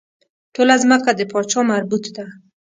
ټوله ځمکه د پاچا مربوط ده.